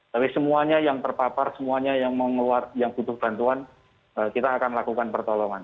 tapi semuanya yang terpapar semuanya yang butuh bantuan kita akan lakukan pertolongan